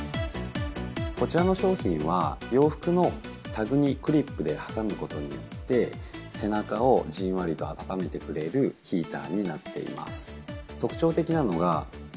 こちらの商品は、洋服のタグにクリップで挟むことによって、背中をじんわりと温めてくれるヒーターになっています。